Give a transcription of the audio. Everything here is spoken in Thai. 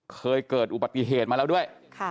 เคยเกิดอุบัติเหตุมาแล้วด้วย